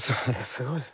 すごい。